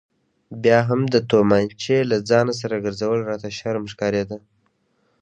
بیا هم د تومانچې له ځانه سره ګرځول راته شرم ښکارېده.